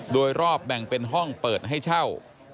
โดยรอบแบ่งเป็นห้องเปิดให้เช่า